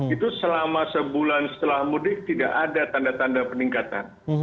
itu selama sebulan setelah mudik tidak ada tanda tanda peningkatan